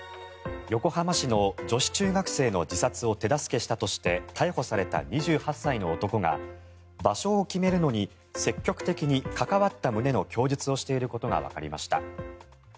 横浜市の女子中学生の自殺を手助けしたとして逮捕された２８歳の男が場所を決めるのに積極的に関わった旨の供述をしていることがわかりました。